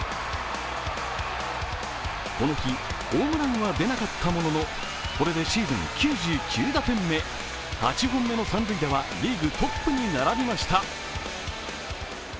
この日ホームランは出なかったもののこれでシーズン９９打点目、８本目の三塁打はリーグトップに並びました。